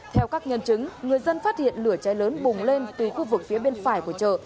theo các nhân chứng người dân phát hiện lửa cháy lớn bùng lên từ khu vực phía bên phải của chợ